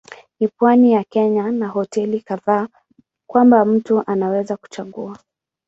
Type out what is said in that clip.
Ni pwani ya Kenya na hoteli kadhaa kwamba mtu anaweza kuchagua.